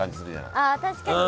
あ確かに。